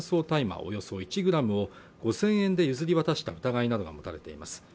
およそ１グラムを５０００円で譲り渡した疑いなどが持たれています